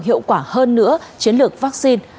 hiệu quả hơn nữa chiến lược vaccine